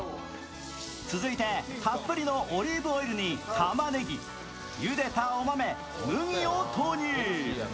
続いてたっぷりのオリーブオイルにたまねぎ、ゆでたお豆、麦を投入。